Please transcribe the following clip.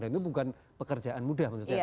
dan ini bukan pekerjaan mudah maksud saya